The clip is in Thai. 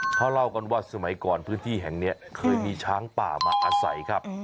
เขาเล่ากันว่าสมัยก่อนพื้นที่แห่งนี้เคยมีช้างป่ามาอาศัยครับ